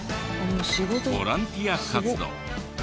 ボランティア活動。